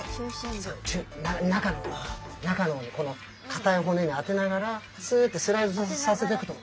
中の方中のこのかたい骨に当てながらすってスライドさせてくと。